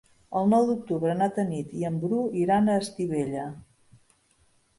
El nou d'octubre na Tanit i en Bru iran a Estivella.